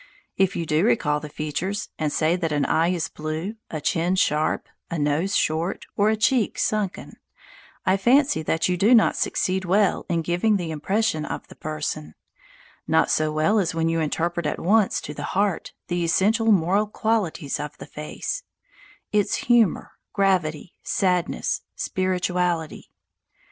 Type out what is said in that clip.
If you do recall the features, and say that an eye is blue, a chin sharp, a nose short, or a cheek sunken, I fancy that you do not succeed well in giving the impression of the person, not so well as when you interpret at once to the heart the essential moral qualities of the face its humour, gravity, sadness, spirituality.